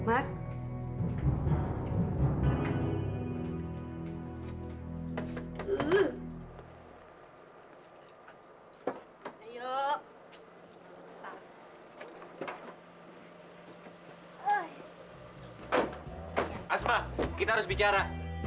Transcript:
asma kita harus bicara